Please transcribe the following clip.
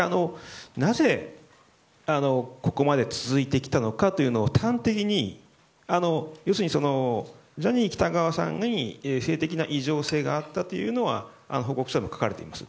なぜ、ここまで続いてきたのかというのを要するにジャニー喜多川さんに性的な異常性があったということは報告書でも書かれています。